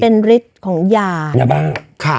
เป็นฤทธิ์ของยายาบ้า